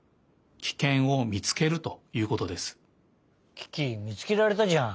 キキみつけられたじゃん。